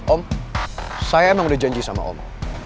om saya emang udah janji sama om